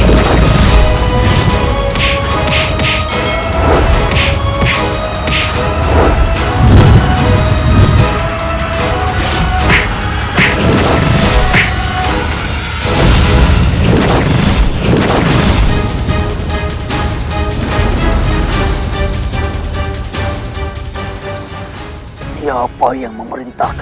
betika dan tak ingin risks